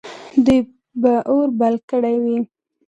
دوی به اور بل کړی وي.